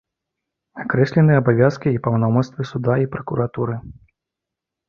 Акрэслены абавязкі і паўнамоцтвы суда і пракуратуры.